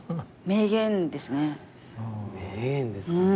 名言ですかね？